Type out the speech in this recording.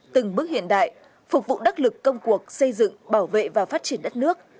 từng bước hiện đại phục vụ đắc lực công cuộc xây dựng bảo vệ và phát triển đất nước